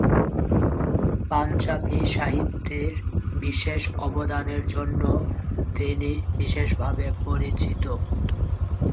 পাঞ্জাবী সাহিত্যে বিশেষ অবদানের জন্য তিনি বিশেষভাবে পরিচিত।